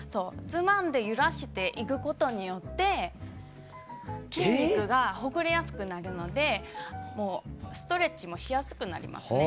つまんで揺らしていくことによって筋肉がほぐれやすくなるのでストレッチもしやすくなりますね。